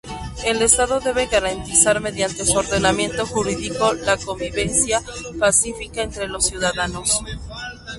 El Estado debe garantizar, mediante su ordenamiento jurídico, la convivencia pacífica entre los ciudadanos.